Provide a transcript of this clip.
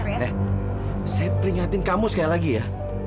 eh saya peringatin kamu sekali lagi ya